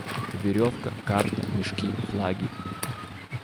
Веревка, карта, мешки, флаги.